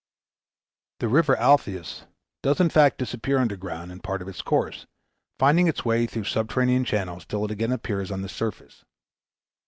The River Alpheus does in fact disappear underground, in part of its course, finding its way through subterranean channels till it again appears on the surface.